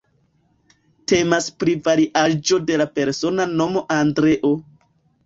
Temas pri variaĵo de la persona nomo Andreo.